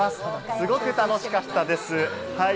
すごく楽しかったです！